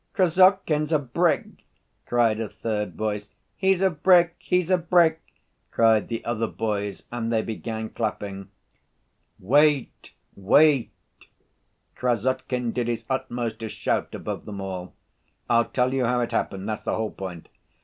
"Krassotkin's a brick!" cried a third voice. "He's a brick, he's a brick!" cried the other boys, and they began clapping. "Wait, wait," Krassotkin did his utmost to shout above them all. "I'll tell you how it happened, that's the whole point.